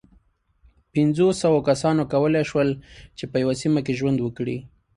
پينځو سوو کسانو کولی شول، چې په یوه سیمه کې ژوند وکړي.